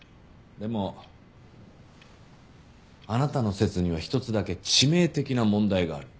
でもあなたの説には一つだけ致命的な問題がある。